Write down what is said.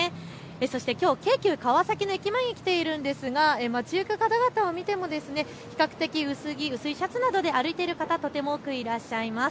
そしてきょう、京急川崎の駅前に来ているんですが街行く方々を見ても比較的薄着、薄いシャツなどで歩いている方、とても多くいらっしゃいます。